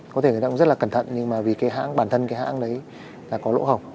có thể người ta cũng rất là cẩn thận nhưng mà vì cái hãng bản thân cái hãng đấy là có lỗ hỏng